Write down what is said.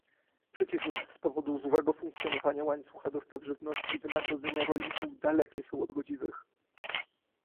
Przeciwnie, z powodu złego funkcjonowania łańcucha dostaw żywności wynagrodzenia rolników dalekie są od godziwych